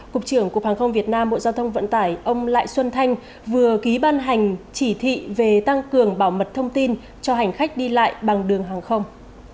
cục trưởng cục hàng không việt nam bộ giao thông vận tải ông lại xuân thanh vừa ký ban hành chỉ thị về tăng cường bảo mật thông tin cho hành khách đi lại bằng đường hàng không